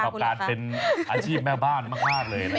เหมาะกับการเป็นอาชีพแม่บ้านมาฆาตเลย